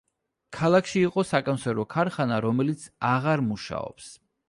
ქალაქში იყო საკონსერვო ქარხანა, რომელიც აღარ მუშაობს.